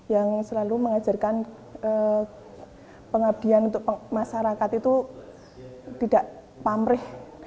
yang selalu mengajarkan pengabdian untuk masyarakat itu tidak pamrih